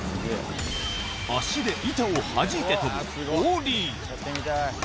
足で板をはじいて跳ぶオーリー。